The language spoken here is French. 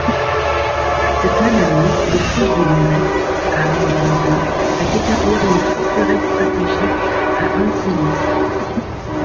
Cette même année l'épouse de Guérech, Aremburge fait établir une forteresse stratégique à Ancenis.